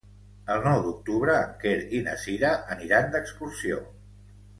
El nou d'octubre en Quer i na Cira aniran d'excursió.